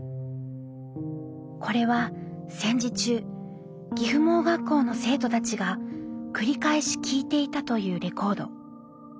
これは戦時中岐阜盲学校の生徒たちが繰り返し聴いていたというレコード。